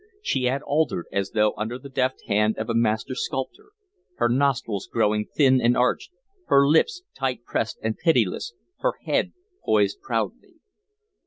She had altered as though under the deft hand of a master sculptor, her nostrils growing thin and arched, her lips tight pressed and pitiless, her head poised proudly.